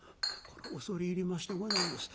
「これは恐れ入りましてございます。